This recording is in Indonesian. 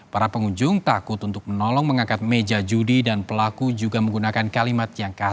para pengunjung takut untuk menolong mengangkat meja judi dan pelaku juga menggunakan kalimat yang kasar